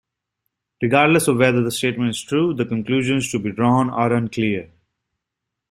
Regardless of whether the statement is true, the conclusions to be drawn are unclear.